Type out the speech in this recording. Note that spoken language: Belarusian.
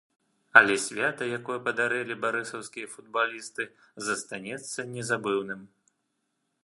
Але свята, якое падарылі барысаўскія футбалісты, застанецца незабыўным.